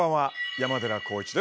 山寺宏一です。